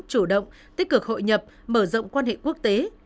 chủ động tích cực hội nhập mở rộng quan hệ quốc tế